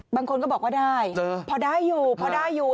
บางคนก็บอกว่าได้เพราะได้อยู่